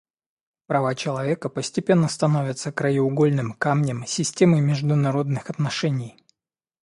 Права человека постепенно становятся краеугольным камнем системы международных отношений.